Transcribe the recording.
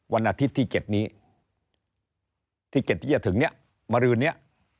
วันอาทิตย์ที่๗นี้ที่๗ที่จะถึงเนี่ยมารืนนี้